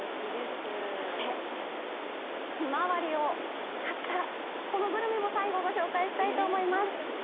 そして、ひまわりを使ったこのグルメも最後、ご紹介したいと思います。